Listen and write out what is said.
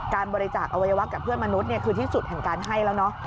การบริจาคอวัยวะกับเพื่อนมนุษย์คือที่สุดแห่งการให้แล้วเนอะ